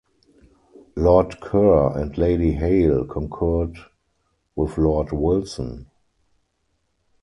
Lord Kerr and Lady Hale concurred with Lord Wilson.